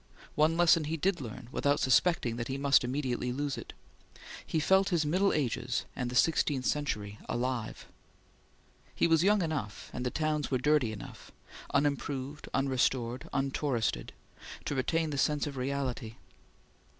One lesson he did learn without suspecting that he must immediately lose it. He felt his middle ages and the sixteenth century alive. He was young enough, and the towns were dirty enough unimproved, unrestored, untouristed to retain the sense of reality.